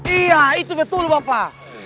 iya itu betul bapak